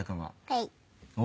はい。